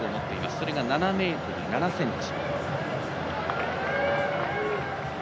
それが７ｍ７ｃｍ。